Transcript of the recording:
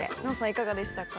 いかがでしたか？